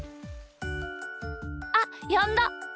あっやんだ。